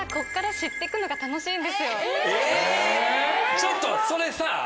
ちょっとそれさ